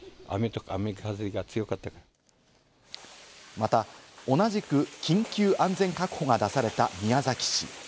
また同じく緊急安全確保が出された宮崎市。